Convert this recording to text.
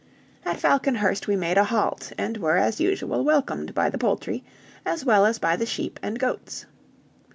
At Falconhurst we made a halt, and were, as usual, welcomed by the poultry, as well as by the sheep and goats.